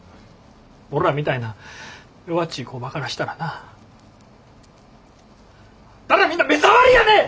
俺らみたいな弱っちい工場からしたらなあんたらみんな目障りやねん！